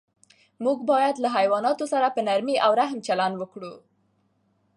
موږ باید له حیواناتو سره په نرمۍ او رحم چلند وکړو.